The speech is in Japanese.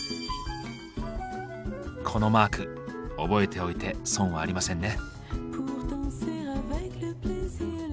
このマーク覚えておいて損はありませんね。